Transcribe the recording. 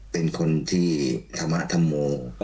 เป็นคนที่ทำะธรรมี